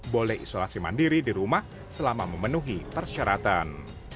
boleh isolasi mandiri di rumah selama memenuhi persyaratan